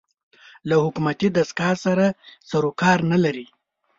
له حکومتي دستګاه سره سر و کار نه لري